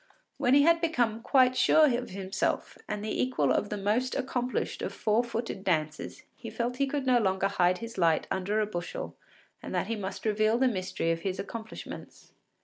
When he had become quite sure of himself and the equal of the most accomplished of four footed dancers, he felt he could no longer hide his light under a bushel and that he must reveal the mystery of his accomplishments.